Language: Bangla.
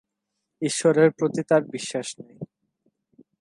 ঈশ্বরের প্রতি তার বিশ্বাস নেই।